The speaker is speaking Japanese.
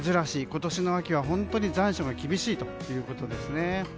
今年の秋は本当に残暑が厳しいということですね。